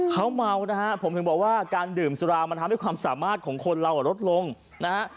เขาเมานะฮะผมถึงบอกว่าการดื่มสุรามันทำให้ความสามารถของคนเราลดลงนะฮะ